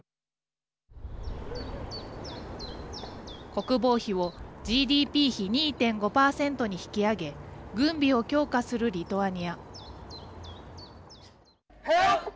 国防費をＧＤＰ比２．５％に引き上げ軍備を強化するリトアニア。